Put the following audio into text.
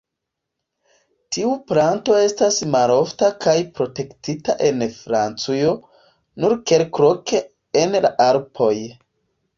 Tiu planto estas malofta kaj protektita en Francujo, nur kelkloke en la Alpoj.